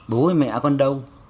bố hay mẹ con đâu